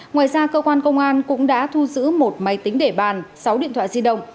ngoài ra cơ quan công an cũng đã thu giữ một máy tính để bàn sáu điện thoại di động